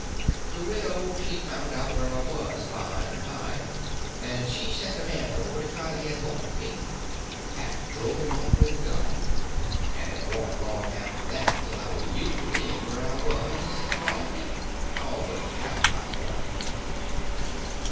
The widow she found out where I was by and by, and she sent a man over to try to get hold of me; but pap drove him off with the gun, and it warn't long after that till I was used to being where I was, and liked it—all but the cowhide part.